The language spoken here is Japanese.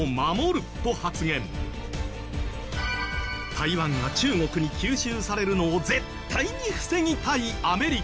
台湾が中国に吸収されるのを絶対に防ぎたいアメリカ。